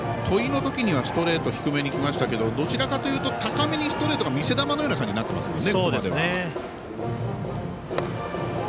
戸井のときにはストレート低めに来ましたけどどちらかというと高めのストレートが見せ球のような形になっています。